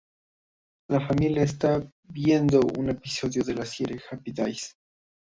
La familia está viendo un episodio de la serie "Happy Days".